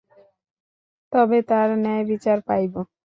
তবে তার ন্যায়বিচার পাবই।